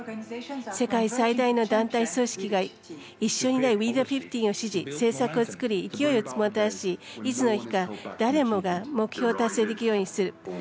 世界最大の団体組織が「ＷＥＴＨＥ１５」を支持政策を作り、勢いをもたらしいつの日か誰もが目標を達成できるようにする。